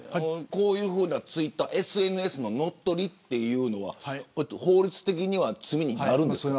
こういうツイッターＳＮＳの乗っ取りというのは法律的には罪になるんですか。